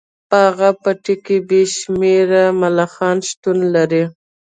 په هغه پټي کې بې شمیره ملخان شتون لري